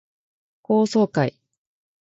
高層階